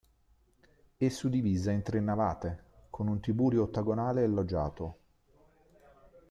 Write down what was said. È suddivisa in tre navate, con un tiburio ottagonale a loggiato.